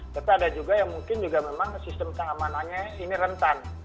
tapi ada juga yang mungkin juga memang sistem keamanannya ini rentan